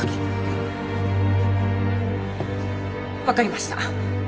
分かりました。